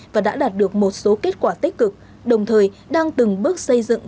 và đã đạt được một số kết quả tích cực đồng thời đang từng bước xây dựng